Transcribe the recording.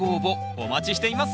お待ちしています。